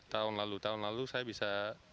tahun lalu tahun lalu saya bisa